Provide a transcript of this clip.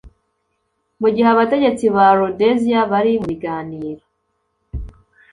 Mu gihe abategetsi ba Rhodesia bari mu biganiro